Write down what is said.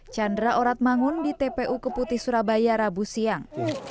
chandra orat mangun di tpu keputi surabaya rabu siang